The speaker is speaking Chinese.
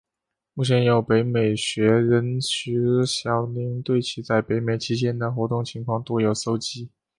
目前有北美学人石晓宁对其在北美期间的活动情况多有搜辑。